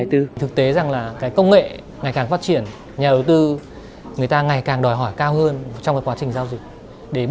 thực tế rằng là công nghệ ngày càng phát triển nhà đầu tư người ta ngày càng đòi hỏi cao hơn trong quá trình giao dịch